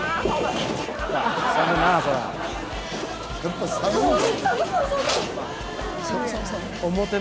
やっぱ寒いんだ。